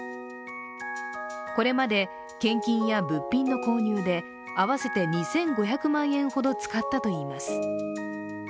これまで献金や物品の購入で合わせて２５００万円ほど使ったといいます。